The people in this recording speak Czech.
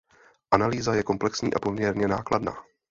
Analýza je komplexní a poměrně nákladná.